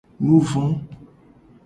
Nuvo.